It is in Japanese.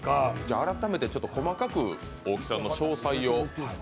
改めて細かく大木さんの詳細を。